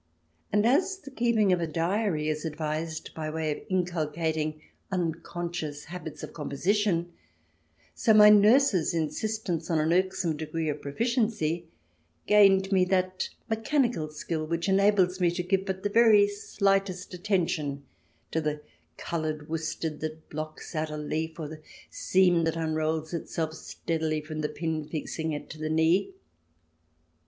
And as the keeping of a diary is advised by way of incul CH. XV] "DRIZZLING" AND OFFICERS 201 eating unconscious habits of composition, so my nurse's insistence on an irksome degree of pro ficiency gained me that mechanical skill which enables me to give but the very slightest attention to the coloured worsted that blocks out a leaf, or the seam that unrolls itself steadily from the pin fixing it to the knee.